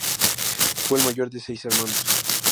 Fue el mayor de seis hermanos.